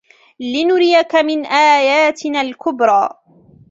لنريك من آياتنا الكبرى